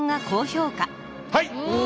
はい。